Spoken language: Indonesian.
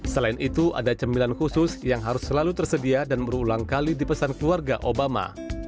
selain itu ada cemilan khusus yang harus selalu tersedia dan berulang kali dipesan keluarga obama